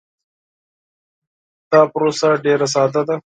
دا پروسه ډیر ساده ده.